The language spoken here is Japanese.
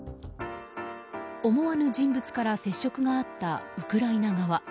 思わぬ人物から接触があったウクライナ側。